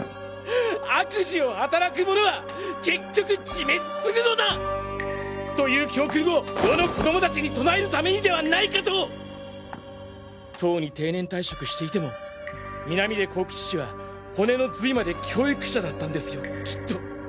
「悪事をはたらく者は結局自滅するのだ！」という教訓を世の子供たちに唱えるためにではないかととうに定年退職していても南出公吉氏は骨の髄まで教育者だったんですよきっと。